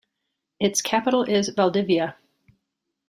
Its capital is Valdivia.